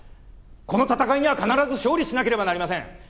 この戦いには必ず勝利しなければなりません。